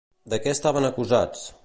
De què estaven acusats?